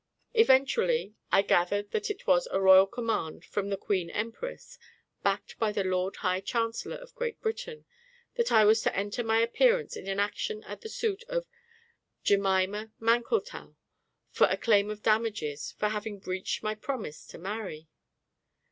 "] Eventually, I gathered that it was a Royal command from the Queen Empress, backed by the Lord High Chancellor of Great Britain, that I was to enter my appearance in an action at the suit of JEMIMA MANKLETOW for a claim of damages for having breached my promise to marry!